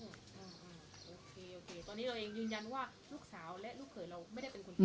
ตอนนี้เราเองยืนยันว่าลูกสาวและลูกเห่ยเราไม่ได้เป็นคนทำ